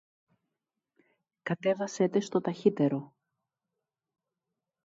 Κατέβασε τες το ταχύτερο!